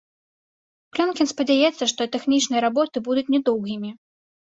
Плёнкін спадзяецца, што тэхнічныя работы будуць не доўгімі.